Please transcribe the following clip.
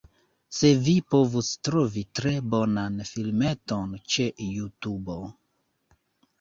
Se vi povus trovi tre bonan filmeton ĉe Jutubo